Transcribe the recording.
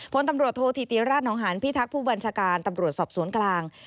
พลตำรวจโทษธิติราชนองหานพิทักษ์ผู้บัญชาการตำรวจสอบสวนกลาง